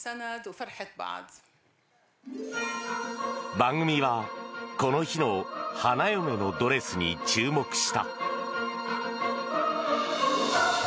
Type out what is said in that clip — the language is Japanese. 番組はこの日の花嫁のドレスに注目した。